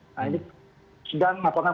nah ini sedang melakukan